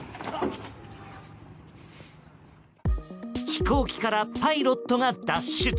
飛行機からパイロットが脱出。